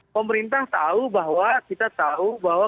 pemerintah tahu bahwa kita tahu bahwa